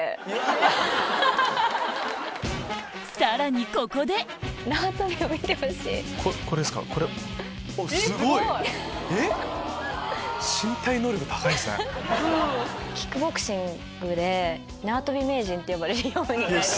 さらにここでキックボクシングで縄跳び名人って呼ばれるように。